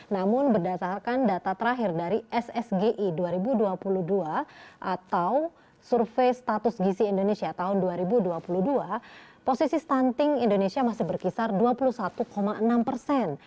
namun berdasarkan data terakhir dari ssgi dua ribu dua puluh dua atau survei status gizi indonesia tahun dua ribu dua puluh dua posisi stunting indonesia masih berkisar dua puluh satu enam persen